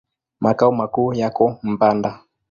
Makao makuu yako Mpanda.